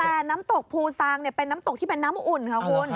แต่น้ำตกภูซางเป็นน้ำตกที่เป็นน้ำอุ่นค่ะคุณ